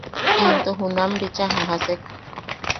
Into junam bicha a jajasek.